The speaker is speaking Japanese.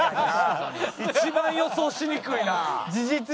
一番予想しにくいな。